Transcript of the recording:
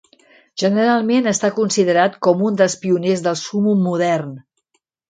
Generalment, està considerat com un dels pioners del sumo modern.